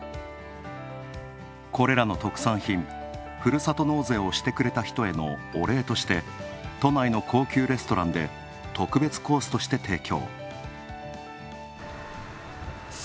これらの特産品ふるさと納税をしてくれた人へのお礼として都内の高級レストランで特別コースとして提供。